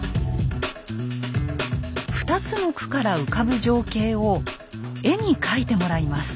２つの句から浮かぶ情景を絵に描いてもらいます。